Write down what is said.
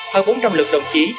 hơn bốn trăm linh lượt đồng chí